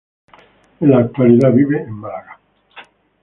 En la actualidad vive en Málaga.